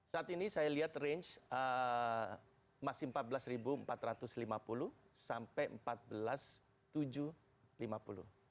saat ini saya lihat range masih rp empat belas empat ratus lima puluh sampai rp empat belas tujuh ratus lima puluh